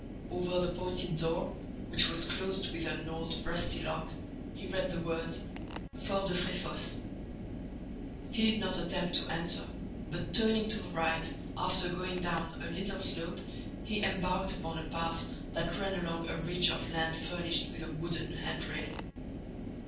Over the pointed door, which was closed with an old rusty lock, he read the words: FORT DE FRÉFOSSÉ He did not attempt to enter, but, turning to the right, after going down a little slope, he embarked upon a path that ran along a ridge of land furnished with a wooden handrail.